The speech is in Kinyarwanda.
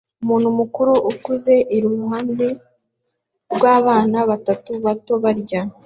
Umuntu mukuru ukuze iruhande rwabana batatu bato barya